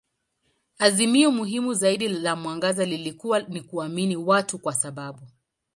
Azimio muhimu zaidi la mwangaza lilikuwa ni kuamini watu kwa sababu.